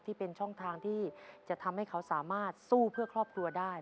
ที่เป็นช่องทางที่จะทำให้เขาสามารถสู้เพื่อครอบครัวได้